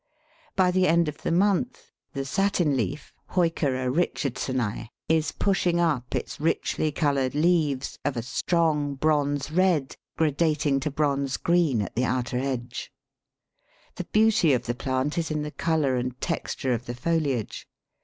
By the end of the month the Satin leaf (Heuchera Richardsoni) is pushing up its richly coloured leaves, of a strong bronze red, gradating to bronze green at the outer edge. The beauty of the plant is in the colour and texture of the foliage.